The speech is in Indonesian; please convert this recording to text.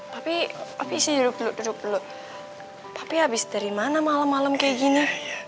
tapi tapi sih dulu dulu dulu tapi habis dari mana malam malam kayak gini